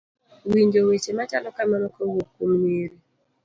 winjo weche machalo kamano kawuok kuom nyiri